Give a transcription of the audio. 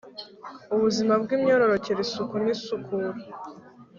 ubuzima bw’ imyororokere isuku n isukura